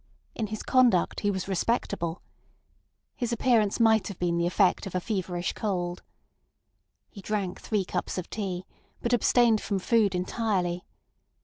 In his conduct he was respectable. His appearance might have been the effect of a feverish cold. He drank three cups of tea, but abstained from food entirely.